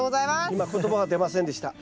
今言葉が出ませんでした。